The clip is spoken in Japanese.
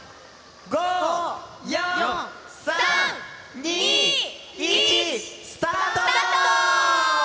５、４、３、２、１、スタート！